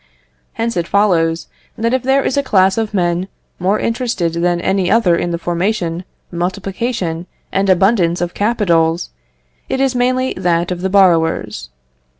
Hence it follows, that if there is a class of men more interested than any other in the formation, multiplication, and abundance of capitals, it is mainly that of the borrowers.